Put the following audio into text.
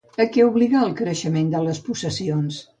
A què obligà el creixement de les possessions?